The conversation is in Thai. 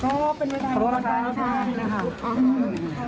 ก็เป็นการสอบสวนได้